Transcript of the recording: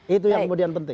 itu yang kemudian penting